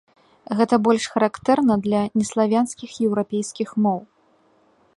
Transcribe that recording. Гэта больш характэрна для неславянскіх еўрапейскіх моў.